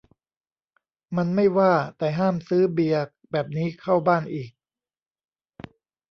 มันไม่ว่า แต่ห้ามซื้อเบียร์แบบนี้เข้าบ้านอีก